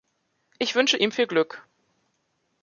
Ich wünsche ihm viel Glück.